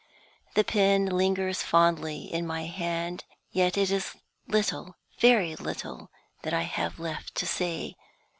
The pen lingers fondly in my hand, and yet it is little, very little, that I have left to say.